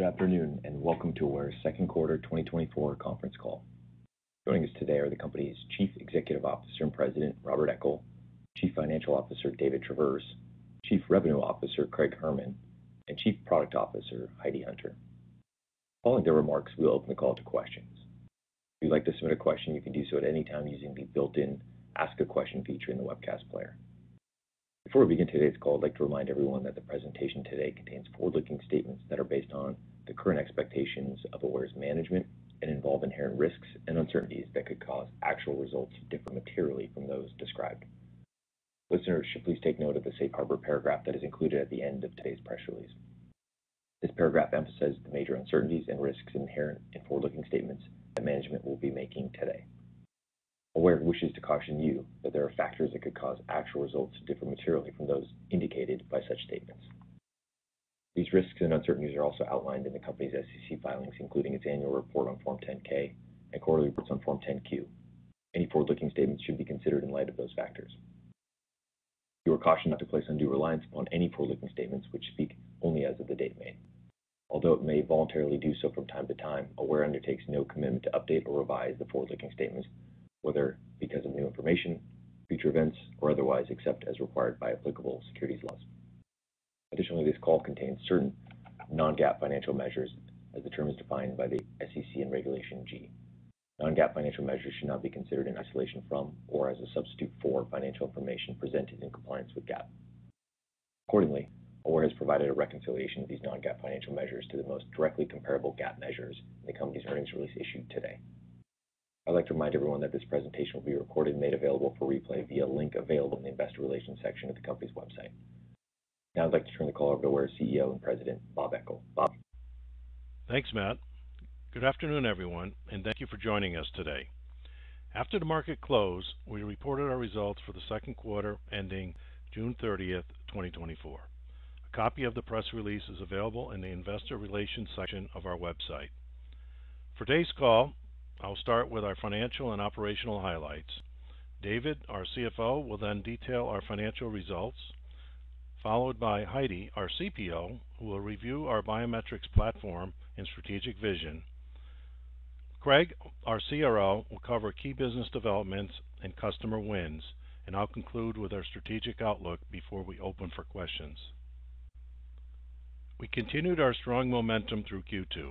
Good afternoon, and welcome to Aware's Q2 2024 conference call. Joining us today are the company's Chief Executive Officer and President, Bob Eckel, Chief Financial Officer, David Traverse, Chief Revenue Officer, Craig Herman, and Chief Product Officer, Heidi Hunter. Following their remarks, we'll open the call to questions. If you'd like to submit a question, you can do so at any time using the built-in Ask a Question feature in the webcast player. Before we begin today's call, I'd like to remind everyone that the presentation today contains forward-looking statements that are based on the current expectations of Aware's management and involve inherent risks and uncertainties that could cause actual results to differ materially from those described. Listeners should please take note of the safe harbor paragraph that is included at the end of today's press release. This paragraph emphasizes the major uncertainties and risks inherent in forward-looking statements that management will be making today. Aware wishes to caution you that there are factors that could cause actual results to differ materially from those indicated by such statements. These risks and uncertainties are also outlined in the company's SEC filings, including its annual report on Form 10-K and quarterly reports on Form 10-Q. Any forward-looking statements should be considered in light of those factors. You are cautioned not to place undue reliance on any forward-looking statements, which speak only as of the date made. Although it may voluntarily do so from time to time, Aware undertakes no commitment to update or revise the forward-looking statements, whether because of new information, future events, or otherwise, except as required by applicable securities laws. Additionally, this call contains certain non-GAAP financial measures, as the term is defined by the SEC and Regulation G. Non-GAAP financial measures should not be considered in isolation from or as a substitute for financial information presented in compliance with GAAP. Accordingly, Aware has provided a reconciliation of these non-GAAP financial measures to the most directly comparable GAAP measures in the company's earnings release issued today. I'd like to remind everyone that this presentation will be recorded and made available for replay via a link available in the Investor Relations section of the company's website. Now I'd like to turn the call over to Aware's CEO and President, Bob Eckel. Bob? Thanks, Matt. Good afternoon, everyone, and thank you for joining us today. After the market closed, we reported our results for the Q2, ending June 30, 2024. A copy of the press release is available in the Investor Relations section of our website. For today's call, I'll start with our financial and operational highlights. David, our CFO, will then detail our financial results, followed by Heidi, our CPO, who will review our biometrics platform and strategic vision. Craig, our CRO, will cover key business developments and customer wins, and I'll conclude with our strategic outlook before we open for questions. We continued our strong momentum through Q2,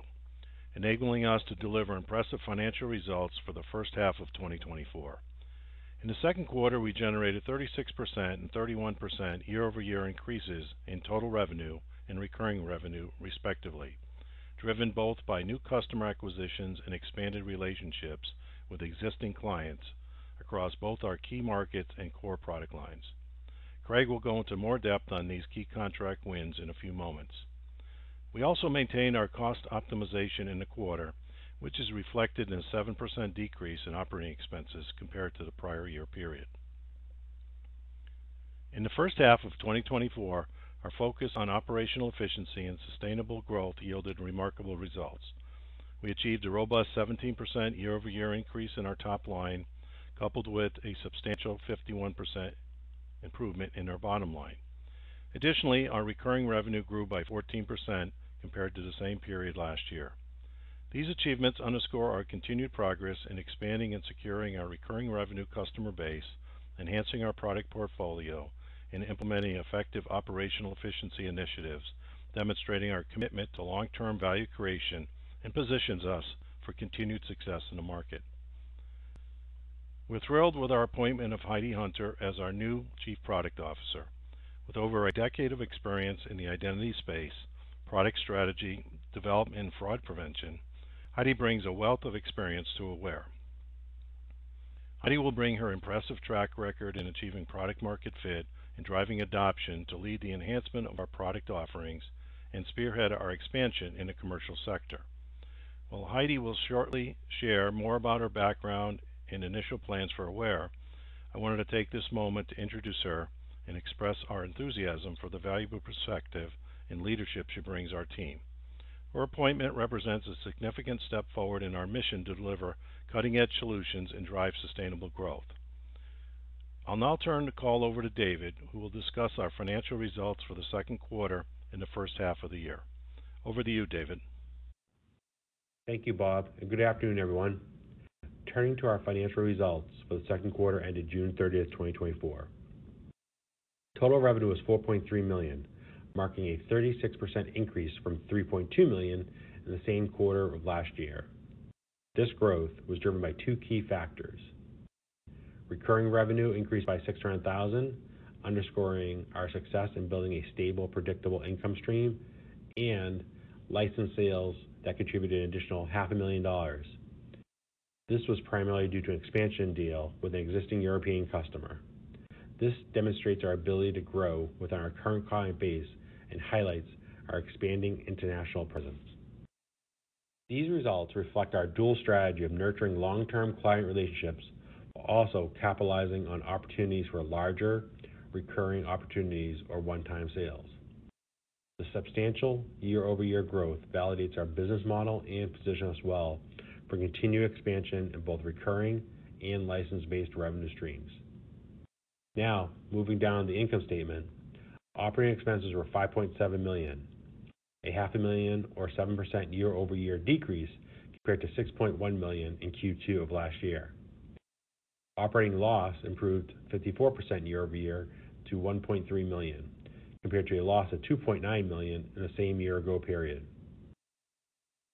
enabling us to deliver impressive financial results for the first half of 2024. In the Q2, we generated 36% and 31% year-over-year increases in total revenue and recurring revenue, respectively, driven both by new customer acquisitions and expanded relationships with existing clients across both our key markets and core product lines. Craig will go into more depth on these key contract wins in a few moments. We also maintained our cost optimization in the quarter, which is reflected in a 7% decrease in operating expenses compared to the prior year period. In the first half of 2024, our focus on operational efficiency and sustainable growth yielded remarkable results. We achieved a robust 17% year-over-year increase in our top line, coupled with a substantial 51% improvement in our bottom line. Additionally, our recurring revenue grew by 14% compared to the same period last year. These achievements underscore our continued progress in expanding and securing our recurring revenue customer base, enhancing our product portfolio, and implementing effective operational efficiency initiatives, demonstrating our commitment to long-term value creation and positions us for continued success in the market. We're thrilled with our appointment of Heidi Hunter as our new Chief Product Officer. With over a decade of experience in the identity space, product strategy, development, and fraud prevention, Heidi brings a wealth of experience to Aware. Heidi will bring her impressive track record in achieving product market fit and driving adoption to lead the enhancement of our product offerings and spearhead our expansion in the commercial sector. While Heidi will shortly share more about her background and initial plans for Aware, I wanted to take this moment to introduce her and express our enthusiasm for the valuable perspective and leadership she brings our team. Her appointment represents a significant step forward in our mission to deliver cutting-edge solutions and drive sustainable growth. I'll now turn the call over to David, who will discuss our financial results for the Q2 and the first half of the year. Over to you, David. Thank you, Bob, and good afternoon, everyone. Turning to our financial results for the Q2 ended June 30, 2024. Total revenue was $4.3 million, marking a 36% increase from $3.2 million in the same quarter of last year. This growth was driven by two key factors. Recurring revenue increased by $600,000, underscoring our success in building a stable, predictable income stream, and license sales that contributed an additional $500,000. This was primarily due to an expansion deal with an existing European customer. This demonstrates our ability to grow within our current client base and highlights our expanding international presence. These results reflect our dual strategy of nurturing long-term client relationships, while also capitalizing on opportunities for larger recurring opportunities or one-time sales. The substantial year-over-year growth validates our business model and positions us well for continued expansion in both recurring and license-based revenue streams.... Now, moving down the income statement. Operating expenses were $5.7 million, a $500,000, or 7% year-over-year decrease, compared to $6.1 million in Q2 of last year. Operating loss improved 54% year-over-year to $1.3 million, compared to a loss of $2.9 million in the same year-ago period.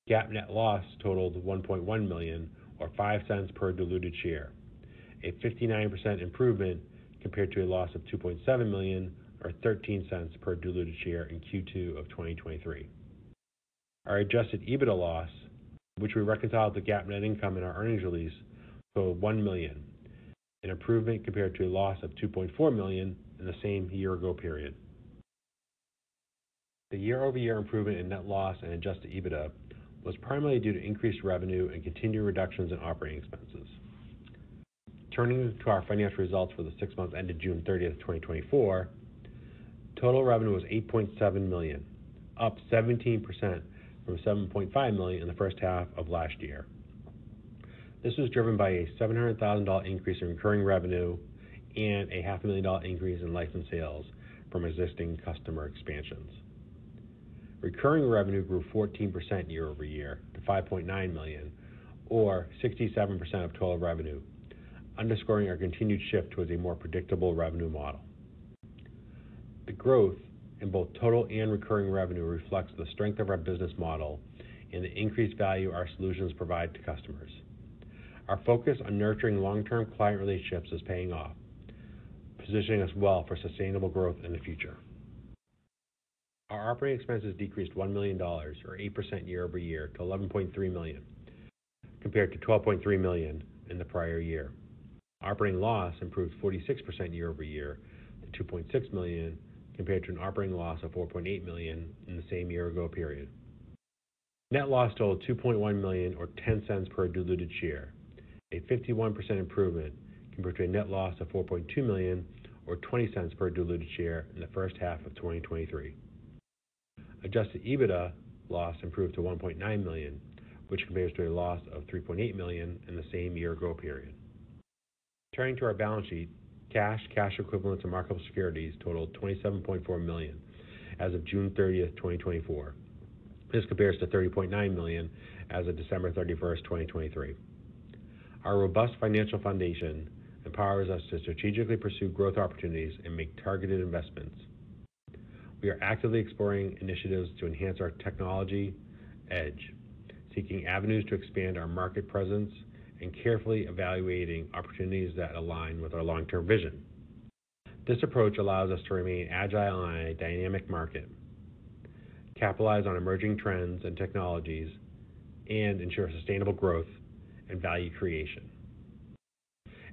GAAP net loss totaled $1.1 million, or $0.05 per diluted share, a 59% improvement compared to a loss of $2.7 million, or $0.13 per diluted share in Q2 of 2023. Our adjusted EBITDA loss, which we reconciled the GAAP net income in our earnings release, for $1 million, an improvement compared to a loss of $2.4 million in the same year-ago period. The year-over-year improvement in net loss and adjusted EBITDA was primarily due to increased revenue and continued reductions in operating expenses. Turning to our financial results for the six months ended June 30, 2024, total revenue was $8.7 million, up 17% from $7.5 million in the first half of last year. This was driven by a $700,000 increase in recurring revenue and a $500,000 increase in license sales from existing customer expansions. Recurring revenue grew 14% year-over-year to $5.9 million, or 67% of total revenue, underscoring our continued shift towards a more predictable revenue model. The growth in both total and recurring revenue reflects the strength of our business model and the increased value our solutions provide to customers. Our focus on nurturing long-term client relationships is paying off, positioning us well for sustainable growth in the future. Our operating expenses decreased $1 million, or 8% year-over-year, to $11.3 million, compared to $12.3 million in the prior year. Operating loss improved 46% year-over-year to $2.6 million, compared to an operating loss of $4.8 million in the same year-ago period. Net loss totaled $2.1 million or $0.10 per diluted share, a 51% improvement compared to a net loss of $4.2 million or $0.20 per diluted share in the first half of 2023. Adjusted EBITDA loss improved to $1.9 million, which compares to a loss of $3.8 million in the same year ago period. Turning to our balance sheet, cash, cash equivalents, and marketable securities totaled $27.4 million as of June 30, 2024. This compares to $30.9 million as of December 31, 2023. Our robust financial foundation empowers us to strategically pursue growth opportunities and make targeted investments. We are actively exploring initiatives to enhance our technology edge, seeking avenues to expand our market presence, and carefully evaluating opportunities that align with our long-term vision. This approach allows us to remain agile in a dynamic market, capitalize on emerging trends and technologies, and ensure sustainable growth and value creation.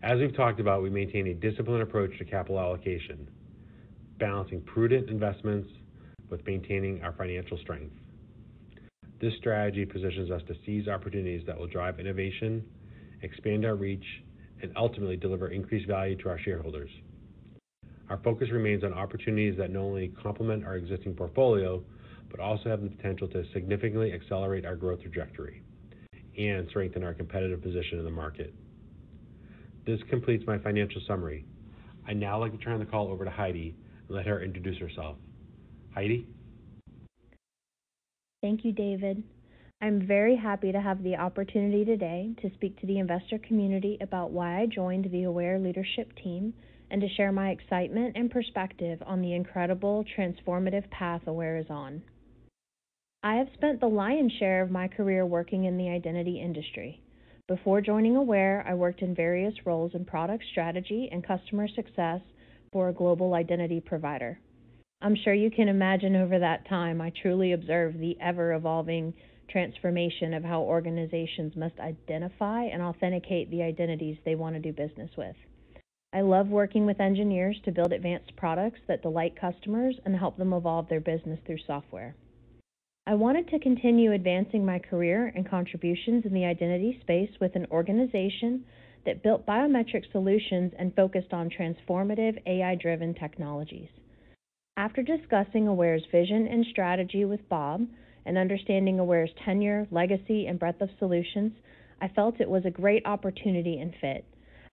As we've talked about, we maintain a disciplined approach to capital allocation, balancing prudent investments with maintaining our financial strength. This strategy positions us to seize opportunities that will drive innovation, expand our reach, and ultimately deliver increased value to our shareholders. Our focus remains on opportunities that not only complement our existing portfolio, but also have the potential to significantly accelerate our growth trajectory and strengthen our competitive position in the market. This completes my financial summary. I'd now like to turn the call over to Heidi and let her introduce herself. Heidi? Thank you, David. I'm very happy to have the opportunity today to speak to the investor community about why I joined the Aware leadership team and to share my excitement and perspective on the incredible transformative path Aware is on. I have spent the lion's share of my career working in the identity industry. Before joining Aware, I worked in various roles in product strategy and customer success for a global identity provider. I'm sure you can imagine over that time, I truly observed the ever-evolving transformation of how organizations must identify and authenticate the identities they want to do business with. I love working with engineers to build advanced products that delight customers and help them evolve their business through software. I wanted to continue advancing my career and contributions in the identity space with an organization that built biometric solutions and focused on transformative AI-driven technologies. After discussing Aware's vision and strategy with Bob and understanding Aware's tenure, legacy, and breadth of solutions, I felt it was a great opportunity and fit.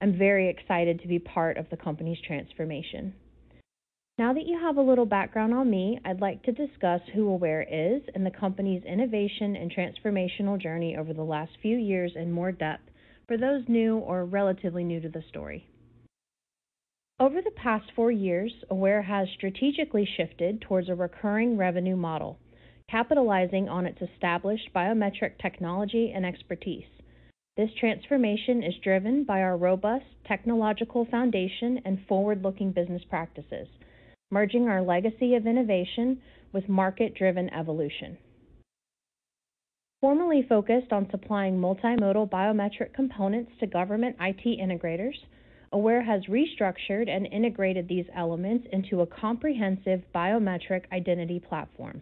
I'm very excited to be part of the company's transformation. Now that you have a little background on me, I'd like to discuss who Aware is and the company's innovation and transformational journey over the last few years in more depth for those new or relatively new to the story. Over the past four years, Aware has strategically shifted towards a recurring revenue model, capitalizing on its established biometric technology and expertise. This transformation is driven by our robust technological foundation and forward-looking business practices, merging our legacy of innovation with market-driven evolution. Formerly focused on supplying multimodal biometric components to government IT integrators, Aware has restructured and integrated these elements into a comprehensive biometric identity platform.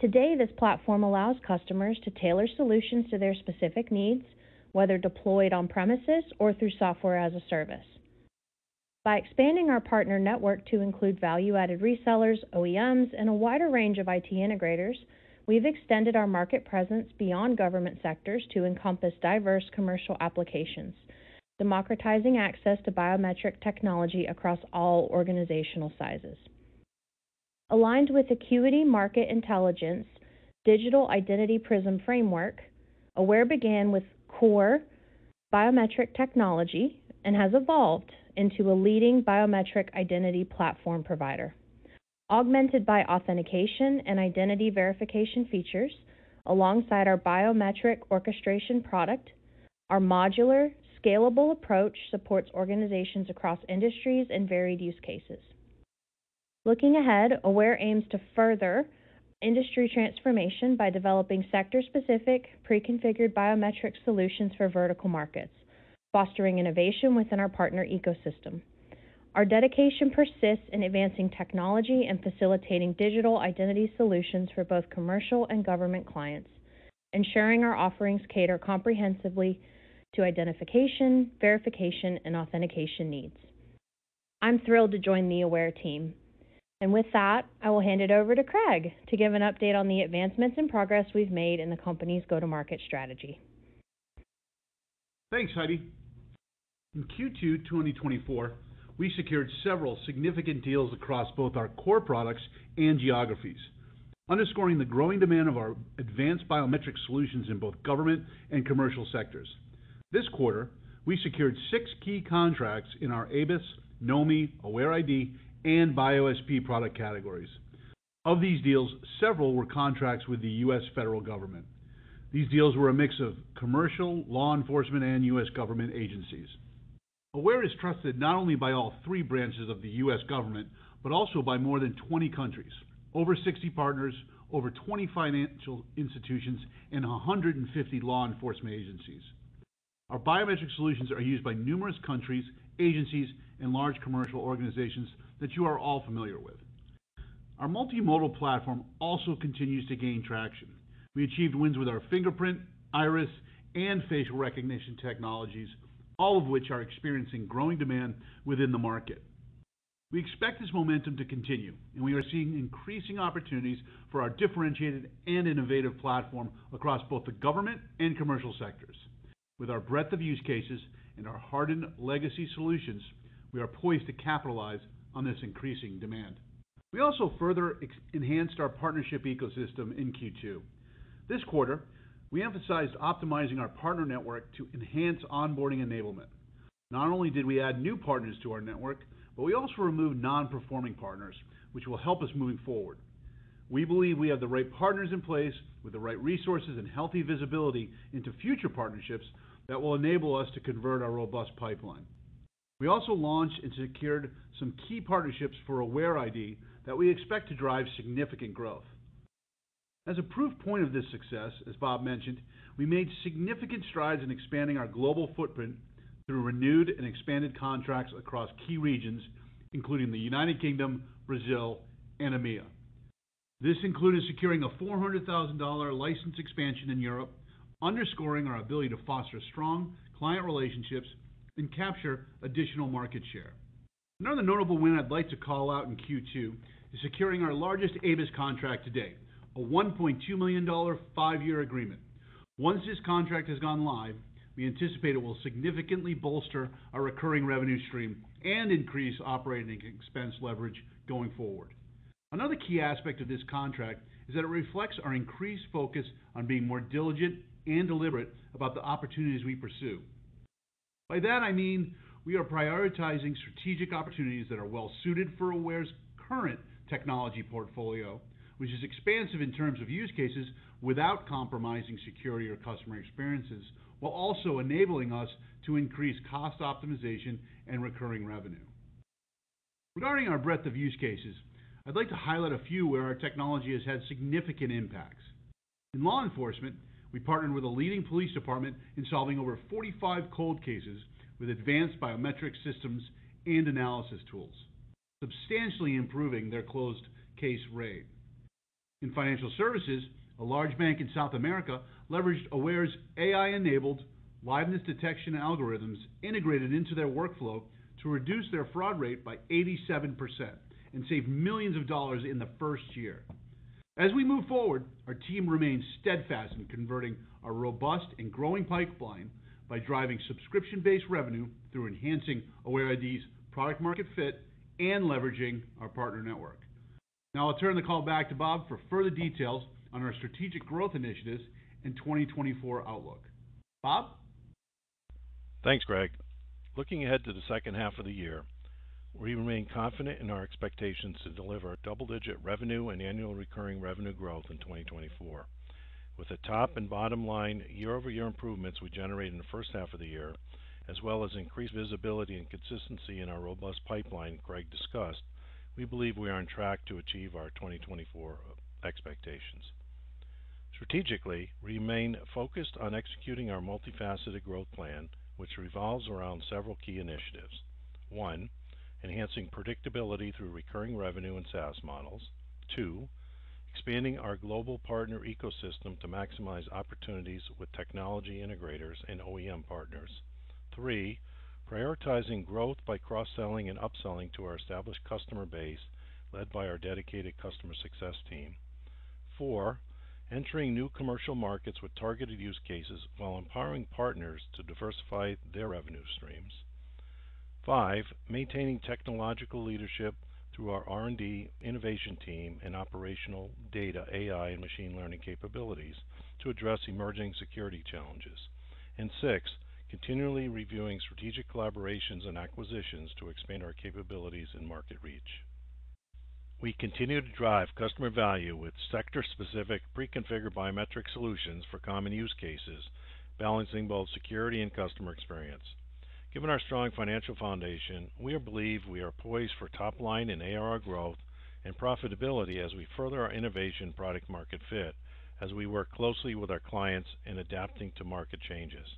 Today, this platform allows customers to tailor solutions to their specific needs, whether deployed on premises or through software as a service. By expanding our partner network to include value-added resellers, OEMs, and a wider range of IT integrators, we've extended our market presence beyond government sectors to encompass diverse commercial applications, democratizing access to biometric technology across all organizational sizes.... Aligned with Acuity Market Intelligence's Digital Identity Prism framework, Aware began with core biometric technology and has evolved into a leading biometric identity platform provider. Augmented by authentication and identity verification features, alongside our biometric orchestration product, our modular, scalable approach supports organizations across industries and varied use cases. Looking ahead, Aware aims to further industry transformation by developing sector-specific, pre-configured biometric solutions for vertical markets, fostering innovation within our partner ecosystem. Our dedication persists in advancing technology and facilitating digital identity solutions for both commercial and government clients, ensuring our offerings cater comprehensively to identification, verification, and authentication needs. I'm thrilled to join the Aware team. And with that, I will hand it over to Craig to give an update on the advancements and progress we've made in the company's go-to-market strategy. Thanks, Heidi. In Q2 2024, we secured several significant deals across both our core products and geographies, underscoring the growing demand of our advanced biometric solutions in both government and commercial sectors. This quarter, we secured six key contracts in our ABIS, Knomi, AwareID, and BioSP product categories. Of these deals, several were contracts with the U.S. federal government. These deals were a mix of commercial, law enforcement, and U.S. government agencies. Aware is trusted not only by all three branches of the U.S. government, but also by more than 20 countries, over 60 partners, over 20 financial institutions, and 150 law enforcement agencies. Our biometric solutions are used by numerous countries, agencies, and large commercial organizations that you are all familiar with. Our multimodal platform also continues to gain traction. We achieved wins with our fingerprint, iris, and facial recognition technologies, all of which are experiencing growing demand within the market. We expect this momentum to continue, and we are seeing increasing opportunities for our differentiated and innovative platform across both the government and commercial sectors. With our breadth of use cases and our hardened legacy solutions, we are poised to capitalize on this increasing demand. We also further enhanced our partnership ecosystem in Q2. This quarter, we emphasized optimizing our partner network to enhance onboarding enablement. Not only did we add new partners to our network, but we also removed non-performing partners, which will help us moving forward. We believe we have the right partners in place with the right resources and healthy visibility into future partnerships that will enable us to convert our robust pipeline. We also launched and secured some key partnerships for AwareID that we expect to drive significant growth. As a proof point of this success, as Bob mentioned, we made significant strides in expanding our global footprint through renewed and expanded contracts across key regions, including the United Kingdom, Brazil, and EMEA. This included securing a $400,000 license expansion in Europe, underscoring our ability to foster strong client relationships and capture additional market share. Another notable win I'd like to call out in Q2 is securing our largest ABIS contract to date, a $1.2 million five-year agreement. Once this contract has gone live, we anticipate it will significantly bolster our recurring revenue stream and increase operating expense leverage going forward. Another key aspect of this contract is that it reflects our increased focus on being more diligent and deliberate about the opportunities we pursue. By that I mean, we are prioritizing strategic opportunities that are well suited for Aware's current technology portfolio, which is expansive in terms of use cases without compromising security or customer experiences, while also enabling us to increase cost optimization and recurring revenue. Regarding our breadth of use cases, I'd like to highlight a few where our technology has had significant impacts. In law enforcement, we partnered with a leading police department in solving over 45 cold cases with advanced biometric systems and analysis tools, substantially improving their closed case rate. In financial services, a large bank in South America leveraged Aware's AI-enabled liveness detection algorithms integrated into their workflow to reduce their fraud rate by 87% and save $ millions in the first year. As we move forward, our team remains steadfast in converting our robust and growing pipeline by driving subscription-based revenue through enhancing AwareID's product market fit and leveraging our partner network. Now I'll turn the call back to Bob for further details on our strategic growth initiatives and 2024 outlook. Bob? Thanks, Craig. Looking ahead to the second half of the year, we remain confident in our expectations to deliver double-digit revenue and annual recurring revenue growth in 2024. With the top and bottom line year-over-year improvements we generated in the first half of the year, as well as increased visibility and consistency in our robust pipeline Craig discussed, we believe we are on track to achieve our 2024 expectations. Strategically, we remain focused on executing our multifaceted growth plan, which revolves around several key initiatives. One, enhancing predictability through recurring revenue and SaaS models. Two, expanding our global partner ecosystem to maximize opportunities with technology integrators and OEM partners. Three, prioritizing growth by cross-selling and upselling to our established customer base, led by our dedicated customer success team. Four, entering new commercial markets with targeted use cases while empowering partners to diversify their revenue streams.... 5, maintaining technological leadership through our R&D innovation team and operational data, AI, and machine learning capabilities to address emerging security challenges. And 6, continually reviewing strategic collaborations and acquisitions to expand our capabilities and market reach. We continue to drive customer value with sector-specific, pre-configured biometric solutions for common use cases, balancing both security and customer experience. Given our strong financial foundation, we believe we are poised for top line and ARR growth and profitability as we further our innovation product market fit, as we work closely with our clients in adapting to market changes.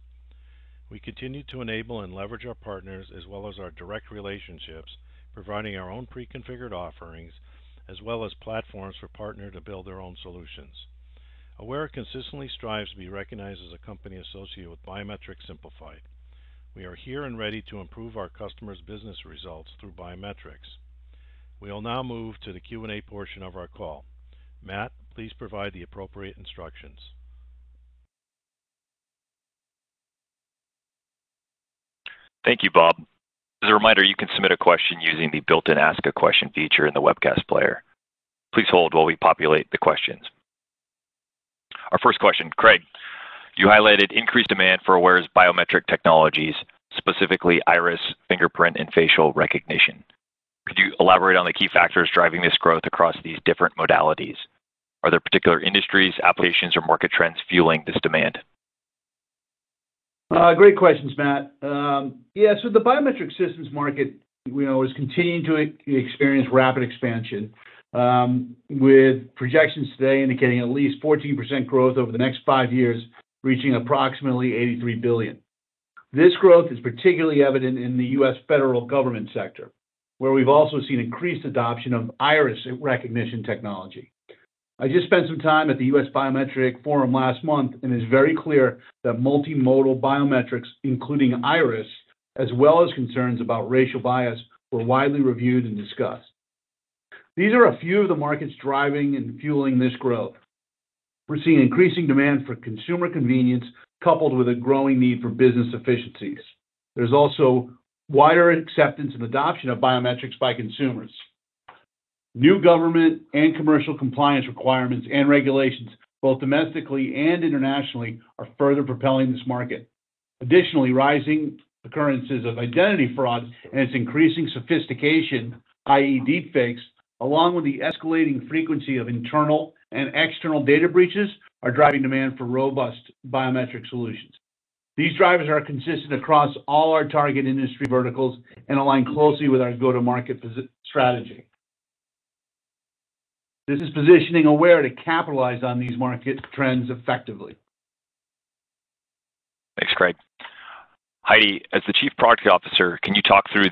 We continue to enable and leverage our partners as well as our direct relationships, providing our own pre-configured offerings, as well as platforms for partner to build their own solutions. Aware consistently strives to be recognized as a company associated with biometrics simplified. We are here and ready to improve our customers' business results through biometrics. We will now move to the Q&A portion of our call. Matt, please provide the appropriate instructions. Thank you, Bob. As a reminder, you can submit a question using the built-in Ask a Question feature in the webcast player. Please hold while we populate the questions. Our first question. Craig, you highlighted increased demand for Aware's biometric technologies, specifically iris, fingerprint, and facial recognition. Could you elaborate on the key factors driving this growth across these different modalities? Are there particular industries, applications, or market trends fueling this demand? Great questions, Matt. Yeah, so the biometric systems market, we know, is continuing to experience rapid expansion, with projections today indicating at least 14% growth over the next five years, reaching approximately $83 billion. This growth is particularly evident in the U.S. federal government sector, where we've also seen increased adoption of iris recognition technology. I just spent some time at the U.S. Biometric Forum last month, and it's very clear that multimodal biometrics, including iris, as well as concerns about racial bias, were widely reviewed and discussed. These are a few of the markets driving and fueling this growth. We're seeing increasing demand for consumer convenience, coupled with a growing need for business efficiencies. There's also wider acceptance and adoption of biometrics by consumers. New government and commercial compliance requirements and regulations, both domestically and internationally, are further propelling this market. Additionally, rising occurrences of identity fraud and its increasing sophistication, i.e., deepfakes, along with the escalating frequency of internal and external data breaches, are driving demand for robust biometric solutions. These drivers are consistent across all our target industry verticals and align closely with our go-to-market positioning strategy. This is positioning Aware to capitalize on these market trends effectively. Thanks, Craig. Heidi, as the Chief Product Officer, can you talk through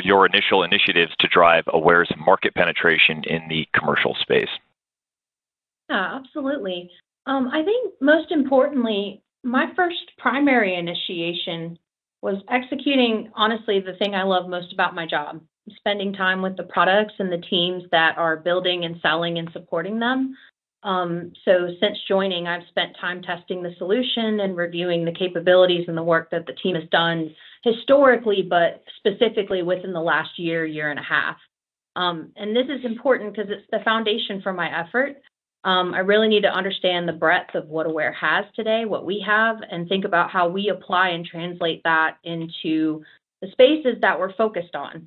your initial initiatives to drive Aware's market penetration in the commercial space? Yeah, absolutely. I think most importantly, my first primary initiation was executing, honestly, the thing I love most about my job, spending time with the products and the teams that are building and selling and supporting them. So since joining, I've spent time testing the solution and reviewing the capabilities and the work that the team has done historically, but specifically within the last year, year and a half. And this is important because it's the foundation for my effort. I really need to understand the breadth of what Aware has today, what we have, and think about how we apply and translate that into the spaces that we're focused on.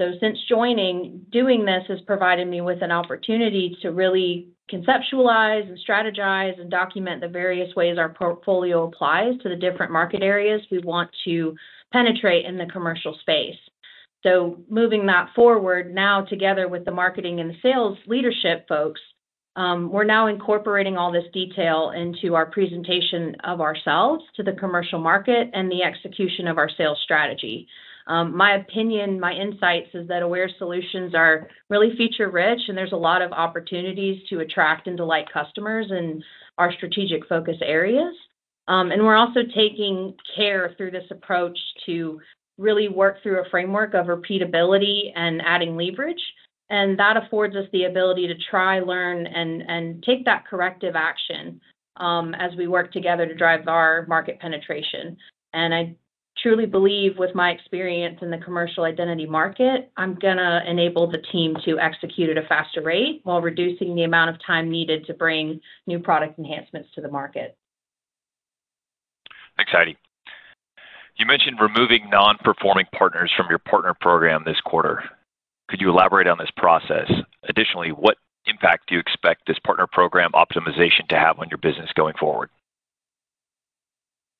Since joining, doing this has provided me with an opportunity to really conceptualize and strategize and document the various ways our portfolio applies to the different market areas we want to penetrate in the commercial space. Moving that forward, now, together with the marketing and sales leadership folks, we're now incorporating all this detail into our presentation of ourselves to the commercial market and the execution of our sales strategy. My opinion, my insights, is that Aware solutions are really feature-rich, and there's a lot of opportunities to attract and delight customers in our strategic focus areas. And we're also taking care through this approach to really work through a framework of repeatability and adding leverage, and that affords us the ability to try, learn, and take that corrective action, as we work together to drive our market penetration. I truly believe with my experience in the commercial identity market, I'm going to enable the team to execute at a faster rate while reducing the amount of time needed to bring new product enhancements to the market. Thanks, Heidi. You mentioned removing non-performing partners from your partner program this quarter. Could you elaborate on this process? Additionally, what impact do you expect this partner program optimization to have on your business going forward?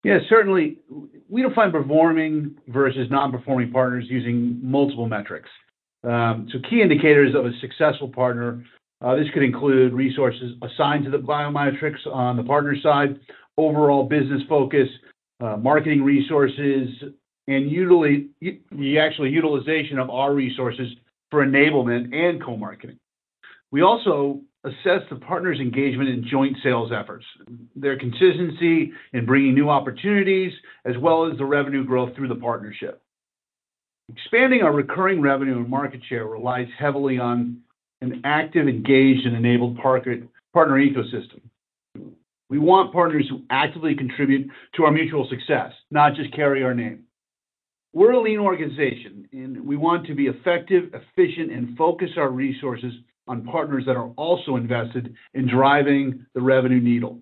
Yeah, certainly, we define performing versus non-performing partners using multiple metrics. So key indicators of a successful partner, this could include resources assigned to the biometrics on the partner side, overall business focus, marketing resources, and the actual utilization of our resources for enablement and co-marketing. We also assess the partner's engagement in joint sales efforts, their consistency in bringing new opportunities, as well as the revenue growth through the partnership. Expanding our recurring revenue and market share relies heavily on an active, engaged, and enabled partner ecosystem. We want partners who actively contribute to our mutual success, not just carry our name. We're a lean organization, and we want to be effective, efficient, and focus our resources on partners that are also invested in driving the revenue needle.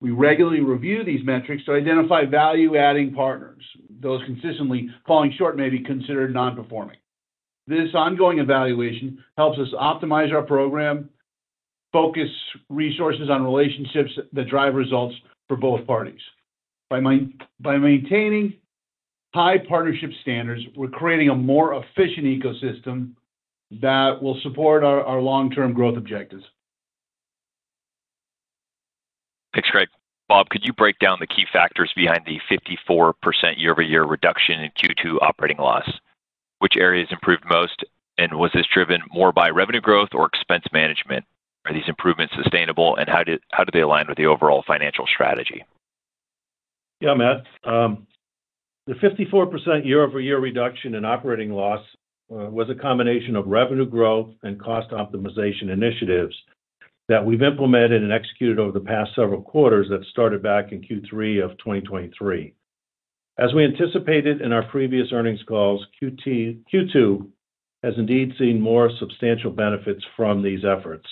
We regularly review these metrics to identify value-adding partners. Those consistently falling short may be considered non-performing. This ongoing evaluation helps us optimize our program, focus resources on relationships that drive results for both parties. By maintaining high partnership standards, we're creating a more efficient ecosystem that will support our long-term growth objectives. Thanks, Greg. Bob, could you break down the key factors behind the 54% year-over-year reduction in Q2 operating loss? Which areas improved most, and was this driven more by revenue growth or expense management? Are these improvements sustainable, and how do they align with the overall financial strategy? Yeah, Matt. The 54% year-over-year reduction in operating loss was a combination of revenue growth and cost optimization initiatives that we've implemented and executed over the past several quarters that started back in Q3 of 2023. As we anticipated in our previous earnings calls, Q2 has indeed seen more substantial benefits from these efforts.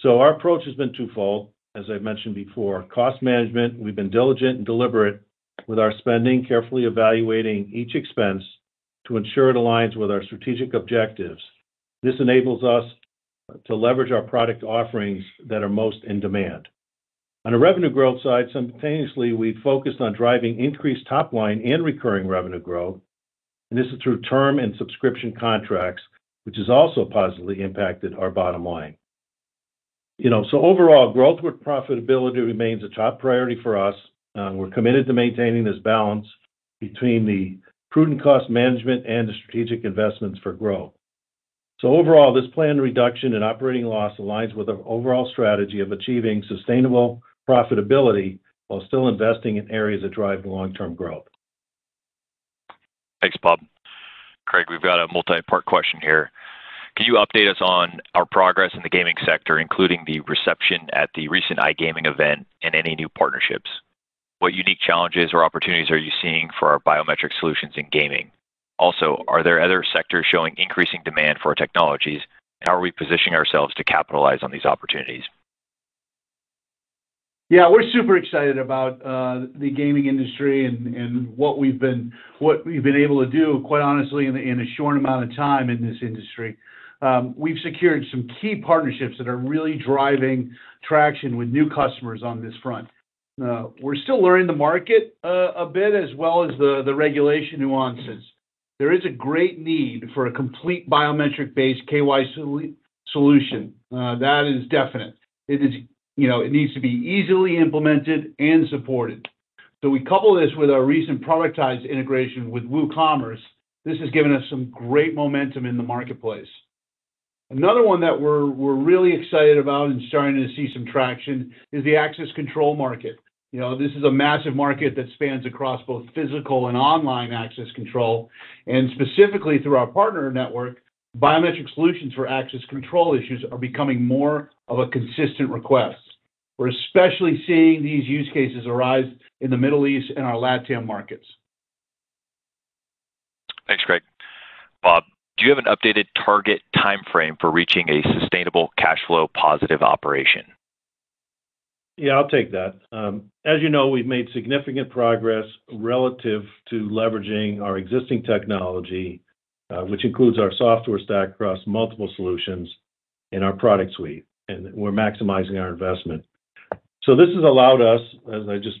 So our approach has been twofold, as I've mentioned before. Cost management, we've been diligent and deliberate with our spending, carefully evaluating each expense to ensure it aligns with our strategic objectives. This enables us to leverage our product offerings that are most in demand. On a revenue growth side, simultaneously, we've focused on driving increased top line and recurring revenue growth, and this is through term and subscription contracts, which has also positively impacted our bottom line. You know, so overall, growth with profitability remains a top priority for us. We're committed to maintaining this balance between the prudent cost management and the strategic investments for growth. So overall, this planned reduction in operating loss aligns with our overall strategy of achieving sustainable profitability while still investing in areas that drive long-term growth. Thanks, Bob. Craig, we've got a multipart question here. Can you update us on our progress in the gaming sector, including the reception at the recent iGaming event and any new partnerships? What unique challenges or opportunities are you seeing for our biometric solutions in gaming? Also, are there other sectors showing increasing demand for our technologies, and how are we positioning ourselves to capitalize on these opportunities? Yeah, we're super excited about the gaming industry and what we've been able to do, quite honestly, in a short amount of time in this industry. We've secured some key partnerships that are really driving traction with new customers on this front. We're still learning the market a bit, as well as the regulation nuances. There is a great need for a complete biometric-based KYC solution. That is definite. It is... You know, it needs to be easily implemented and supported. So we couple this with our recent productized integration with WooCommerce. This has given us some great momentum in the marketplace. Another one that we're really excited about and starting to see some traction is the access control market. You know, this is a massive market that spans across both physical and online access control, and specifically through our partner network, biometric solutions for access control issues are becoming more of a consistent request. We're especially seeing these use cases arise in the Middle East and our LatAm markets. Thanks, Craig. Bob, do you have an updated target timeframe for reaching a sustainable cash flow positive operation? Yeah, I'll take that. As you know, we've made significant progress relative to leveraging our existing technology, which includes our software stack across multiple solutions in our product suite, and we're maximizing our investment. So this has allowed us, as I just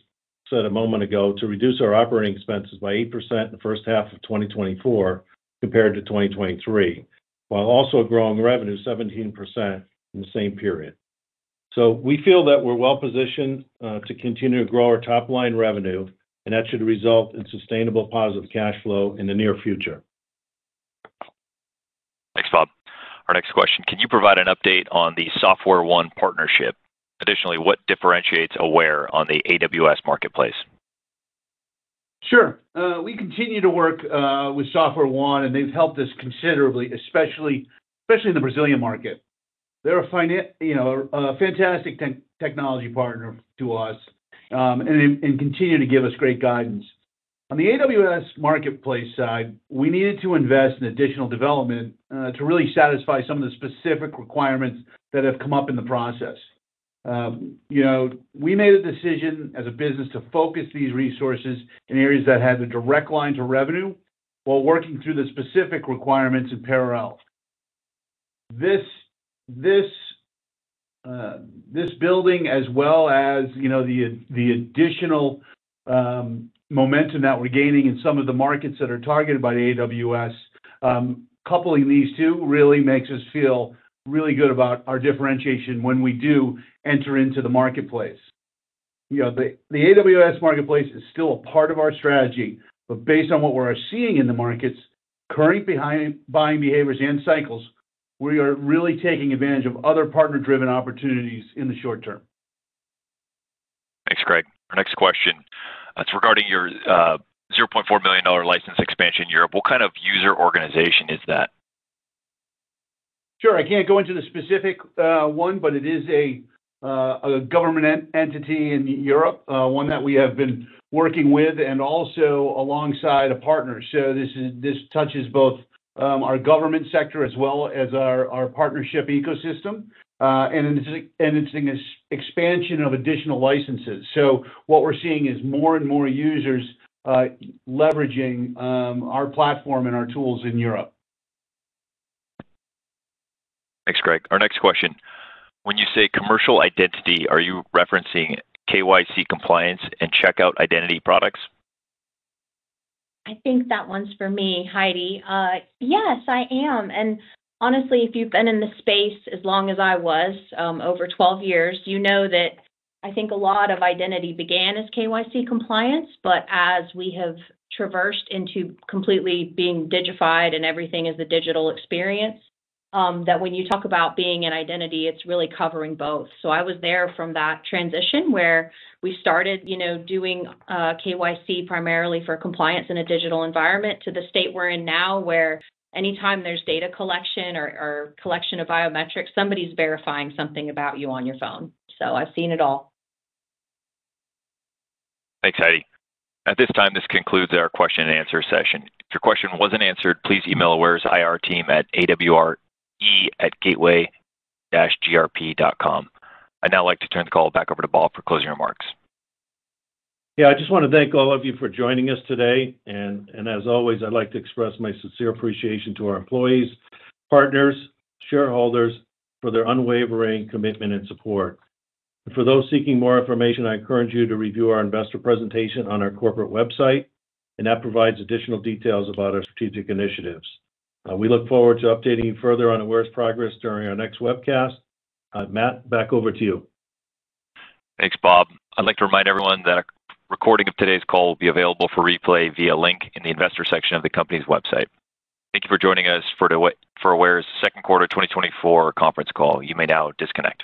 said a moment ago, to reduce our operating expenses by 8% in the first half of 2024, compared to 2023, while also growing revenue 17% in the same period. So we feel that we're well-positioned to continue to grow our top-line revenue, and that should result in sustainable positive cash flow in the near future. Thanks, Bob. Our next question: Can you provide an update on the SoftwareOne partnership? Additionally, what differentiates Aware on the AWS Marketplace? Sure. We continue to work with SoftwareOne, and they've helped us considerably, especially, especially in the Brazilian market. They're a you know, a fantastic technology partner to us, and continue to give us great guidance. On the AWS Marketplace side, we needed to invest in additional development to really satisfy some of the specific requirements that have come up in the process. You know, we made a decision as a business to focus these resources in areas that had a direct line to revenue while working through the specific requirements in parallel. This building, as well as, you know, the additional momentum that we're gaining in some of the markets that are targeted by the AWS, coupling these two really makes us feel really good about our differentiation when we do enter into the marketplace. You know, the AWS Marketplace is still a part of our strategy, but based on what we're seeing in the markets, current buying behaviors and cycles, we are really taking advantage of other partner-driven opportunities in the short term. Thanks, Craig. Our next question, it's regarding your $0.4 million license expansion in Europe. What kind of user organization is that?... Sure, I can't go into the specific one, but it is a government entity in Europe, one that we have been working with, and also alongside a partner. So this touches both our government sector as well as our partnership ecosystem. And it's an expansion of additional licenses. So what we're seeing is more and more users leveraging our platform and our tools in Europe. Thanks, Greg. Our next question: When you say commercial identity, are you referencing KYC compliance and checkout identity products? I think that one's for me, Heidi. Yes, I am, and honestly, if you've been in this space as long as I was, over 12 years, you know that I think a lot of identity began as KYC compliance. But as we have traversed into completely being digitized and everything is a digital experience, that when you talk about being an identity, it's really covering both. So I was there from that transition where we started, you know, doing KYC primarily for compliance in a digital environment, to the state we're in now, where anytime there's data collection or, or collection of biometrics, somebody's verifying something about you on your phone. So I've seen it all. Thanks, Heidi. At this time, this concludes our question and answer session. If your question wasn't answered, please email Aware's IR team at awre@gateway-grp.com. I'd now like to turn the call back over to Bob for closing remarks. Yeah, I just want to thank all of you for joining us today, and as always, I'd like to express my sincere appreciation to our employees, partners, shareholders for their unwavering commitment and support. For those seeking more information, I encourage you to review our investor presentation on our corporate website, and that provides additional details about our strategic initiatives. We look forward to updating you further on Aware's progress during our next webcast. Matt, back over to you. Thanks, Bob. I'd like to remind everyone that a recording of today's call will be available for replay via link in the investor section of the company's website. Thank you for joining us for Aware's Q2 2024 conference call. You may now disconnect.